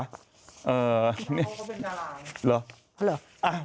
นักร้องเขาเป็นดาราเนี่ย